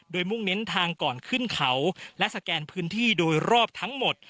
โดยมุ่งเน้นทางก่อนขึ้นเขาและสแกนพื้นที่โดยรอบทั้งหมด